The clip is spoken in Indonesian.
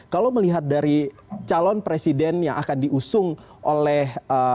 kalau melihat dari calon presiden yang akan diusung oleh